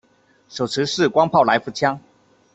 手持式光炮来福枪。